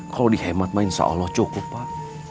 kalau dihemat pak insya allah cukup pak